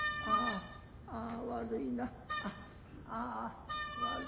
ああ悪いわ。